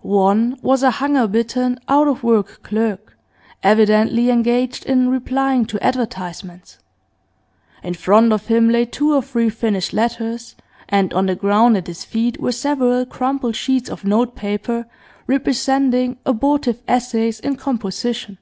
One was a hunger bitten, out of work clerk, evidently engaged in replying to advertisements; in front of him lay two or three finished letters, and on the ground at his feet were several crumpled sheets of note paper, representing abortive essays in composition.